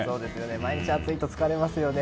毎日暑いと疲れますよね。